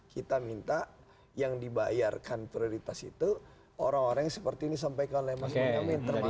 kita minta yang dibayarkan prioritas itu orang orang yang seperti ini sampai ke oleh mas mungkami